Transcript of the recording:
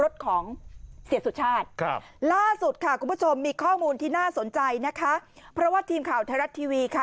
สองโหล๒๔ขวดในภูมิคุณภายของเรา